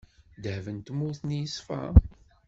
Ddheb n tmurt-nni yeṣfa.